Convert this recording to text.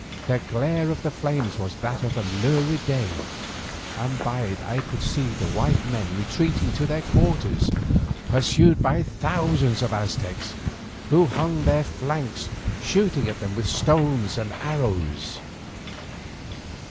The glare of the flames was that of a lurid day, and by it I could see the white men retreating to their quarters, pursued by thousands of Aztecs, who hung upon their flanks, shooting at them with stones and arrows.